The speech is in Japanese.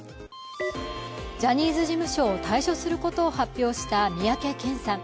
ジャニーズ事務所を退所することを発表した三宅健さん。